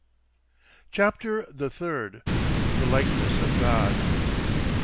CHAPTER THE THIRD THE LIKENESS OF GOD 1.